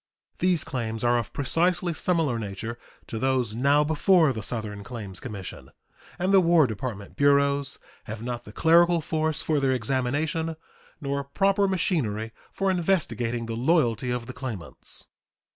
These claims are of precisely similar nature to those now before the Southern Claims Commission, and the War Department bureaus have not the clerical force for their examination nor proper machinery for investigating the loyalty of the claimants.